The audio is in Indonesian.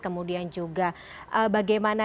kemudian juga bagaimana